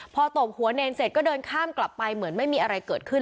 พอตบหัวเนรเสร็จก็เดินข้ามกลับไปเหมือนไม่มีอะไรเกิดขึ้น